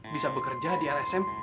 bisa bekerja di lsm